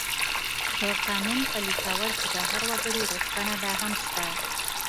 د قانون پلي کول چې د هر وګړي غوښتنه ده، هم شته.